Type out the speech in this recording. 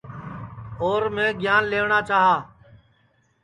اور میں گیان لئیوٹؔا چاہی